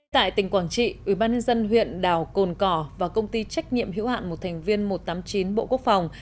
tại tỉnh quảng trị ubnd huyện đào cồn cỏ và công ty trách nhiệm hữu hạn một thành viên một trăm tám mươi chín bộ quốc phòng